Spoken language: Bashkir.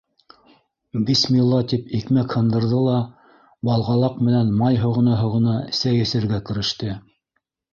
Бисмилла тип икмәк һындырҙы ла, балғалаҡ менән май һоғона-һоғона, сәй эсергә кереште.